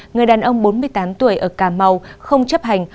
người đàn ông bốn mươi tám tuổi ở cà mau không chấp hành